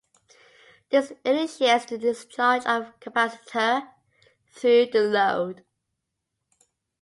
This initiates the discharge of the capacitor through the load.